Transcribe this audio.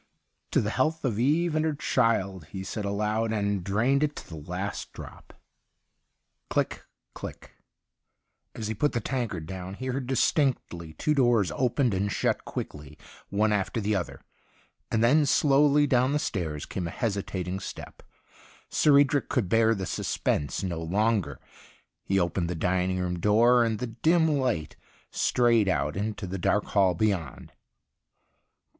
' To the health of Eve and her child,' he said aloud, and drained it to the last drop. Click, click ! As he put the tankard down he heard distinctly two doors opened and shut quickly, one after the other. And then slowly down the stairs came a hesi tating step. Sir Edric could bear the suspense no longer. He opened the dining room door, and the dim light strayed out into the dark hall beyond.